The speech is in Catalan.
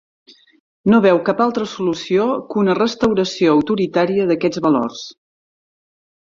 No veu cap altra solució que una restauració autoritària d'aquests valors.